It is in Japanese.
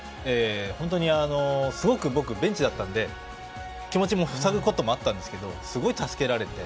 本当に、すごく僕ベンチだったので気持ちが塞ぐこともあったんですけどすごい助けられて。